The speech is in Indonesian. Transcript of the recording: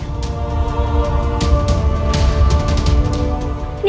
dan yang lainnya